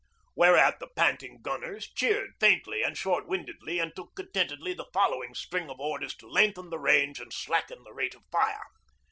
Whereat the panting gunners cheered faintly and short windedly, and took contentedly the following string of orders to lengthen the range and slacken the rate of fire.